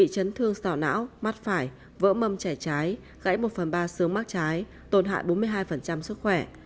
những thương sọ não mắt phải vỡ mâm chảy trái gãy một phần ba sướng mắt trái tổn hại bốn mươi hai sức khỏe